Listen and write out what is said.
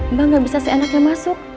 mbak gak bisa seenaknya masuk